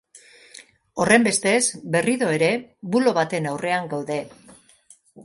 Horrenbestez, berriro ere bulo baten aurrean gaude.